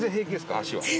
足は。